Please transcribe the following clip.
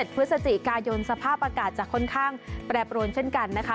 พฤศจิกายนสภาพอากาศจะค่อนข้างแปรปรวนเช่นกันนะคะ